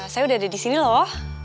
saya udah ada di sini loh